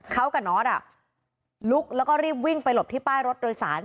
เขากับน็อตลุกแล้วก็รีบวิ่งไปหลบที่ป้ายรถโดยสาร